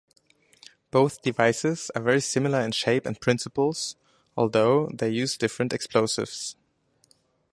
Both devices are very similar in shape and principles, although they use different explosives.